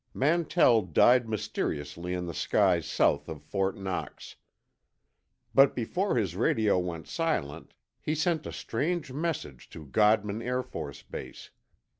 Mantell died mysteriously in the skies south of Fort Knox. But before his radio went silent, he sent a strange message to Godman Air Force Base.